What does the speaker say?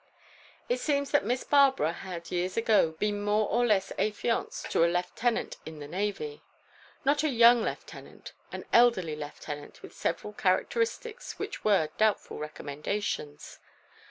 It seems that Miss Barbara had years ago been more or less affianced to a Lieutenant in the Navy. Not a young lieutenant, an elderly lieutenant with several characteristics which were doubtful recommendations.